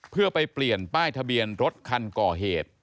เพื่อไปเปลี่ยนป้ายทะเบียนรถคันก่อเหตุ